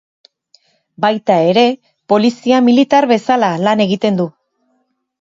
Baita ere, polizia militar bezala lan egiten du.